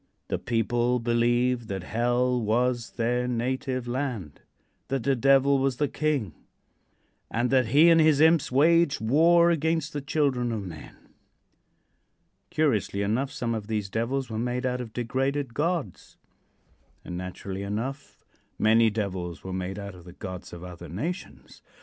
The people believed that hell was their native land; that the Devil was a king, and that lie and his imps waged war against the children of men. Curiously enough some of these devils were made out of degraded gods, and, naturally enough, many devils were made out of the gods of other nations.